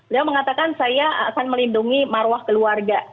dia mengatakan saya akan melindungi maruah keluarga